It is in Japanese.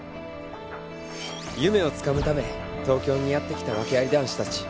夢をつかむため東京にやって来たワケあり男子たち